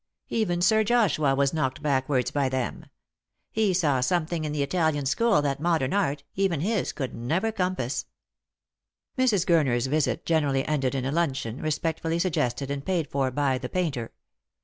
Even Sir Joshua was knocked backwards by them. He saw something in the Italian school that modern art — even his — could never compass." Mrs. Gurner's visit generally ended in a luncheon, respectfully suggested and paid for by the painter.